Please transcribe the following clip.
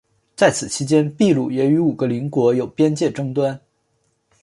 在此期间秘鲁也与五个邻国有边界争端。